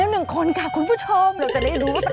ใครก็รรละเนี่ยจะ๐๑คนค่ะคุณผู้ชม